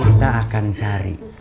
kita akan cari